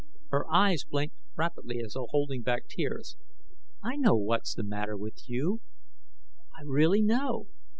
Her eyes blinked rapidly, as though holding back tears. "I know what's the matter with you; I really know."